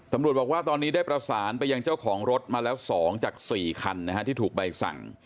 ตำรวจบอกว่าตอนนี้ได้ประสานไปยังเจ้าของรถมาแล้ว๒จาก๔คันที่ถูกใบสั่ง